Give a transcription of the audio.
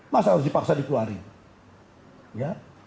masa harus dipaksa dikeluarin